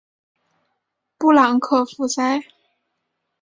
布朗克福塞。